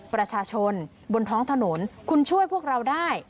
ประชาชนบนท้องถนนคุณช่วยพวกเราได้